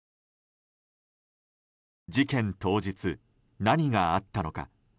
事件当日、何があったのか。